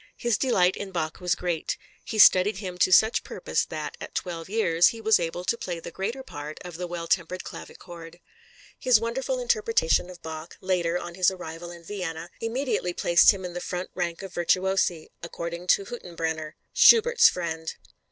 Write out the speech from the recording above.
His delight in Bach was great; he studied him to such purpose that, at twelve years, he was able to play the greater part of the Well tempered Clavichord. His wonderful interpretation of Bach, later, on his arrival in Vienna, immediately placed him in the front rank of virtuosi, according to Hüttenbrenner, Schubert's friend.